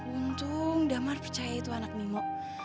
untung damar percaya itu anak nemo